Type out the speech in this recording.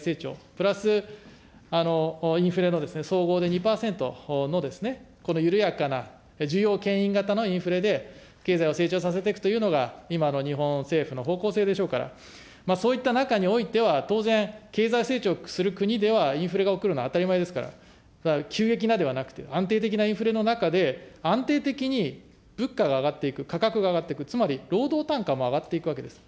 プラスインフレの総合で２％のこの緩やかな需要けん引型のインフレで経済を成長させていくというのが、今の日本政府の方向性でしょうから、そういった中においては、当然、経済成長する国では、インフレが起こるのは当たり前ですから、急激なではなくて、安定的なインフレの中で、安定的に物価が上がっていく、価格が上がっていく、つまり労働単価も上がっていくわけです。